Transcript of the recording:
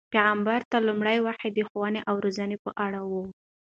پیغمبر ته لومړنۍ وحی د ښوونې او روزنې په اړه وه.